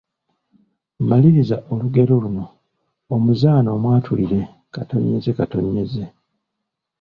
Maliriza olugero luno. Omuzaana omwatulire, …..